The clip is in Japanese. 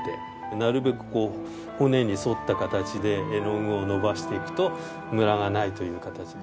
なるべくこう骨に沿った形で絵の具を伸ばしていくとムラがないという形。